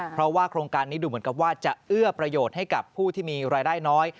เพราะว่าโครงการนี้ดูเหมือนกับว่าจะเอื้อประโยชน์ให้กับผู้ที่มีรายได้น้อย